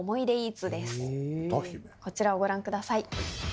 こちらをご覧ください。